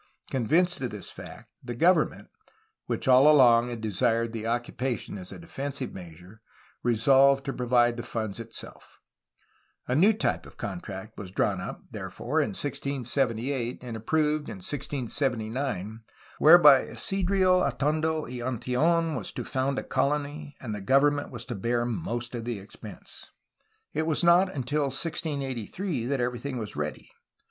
Con vinced of this fact, the government (which all along had desired the occupation as a defensive measure) resolved to provide the funds itself. A new type of contract was drawn up, therefore, in 1678, and approved in 1679, whereby Isidro Atondo y Antill6n was to found a colony and the government was to bear most of the expense. It was not until 1683 that everything was ready.